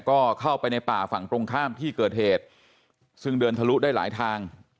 ก็เข้าไปในป่าฝั่งตรงข้ามที่เกิดเหตุซึ่งเดินทะลุได้หลายทาง